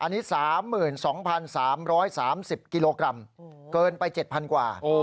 นี่เท่าไหร่ฮะอันนี้๓๒๓๓๐กิโลกรัมเกินไป๗๐๐๐กว่า